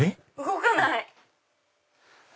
動かない！